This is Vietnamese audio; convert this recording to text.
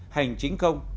hành chính công